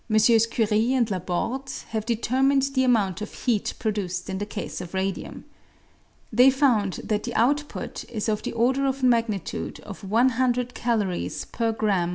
Curie and Laborde have determined the amount of heat produced in the case of radium. They found that the out put is of the order of magnitude of 100 calories per grm.